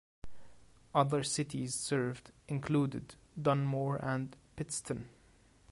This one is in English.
Other cities served included Dunmore and Pittston.